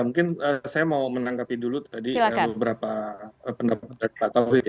mungkin saya mau menanggapi dulu tadi beberapa pendapat dari pak taufik ya